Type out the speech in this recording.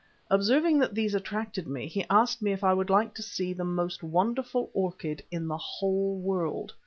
Observing that these attracted me, he asked me if I would like to see the most wonderful orchid in the whole world.